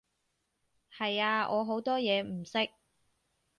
係啊，我好多嘢唔識